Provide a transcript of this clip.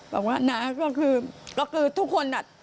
บอกว่าน้าก็คือก็คือทุกคนอ่ะ